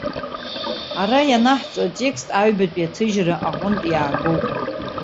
Ара ианаҳҵо атекст аҩбатәи аҭыжьра аҟынтә иаагоуп.